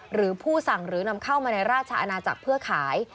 หรือผู้สั่งหรือนำเข้ามาในราชอาณาจักรเพื่อขาย